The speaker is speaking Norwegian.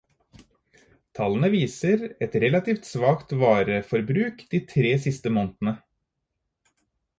Tallene viser et relativt svakt vareforbruk de tre siste månedene.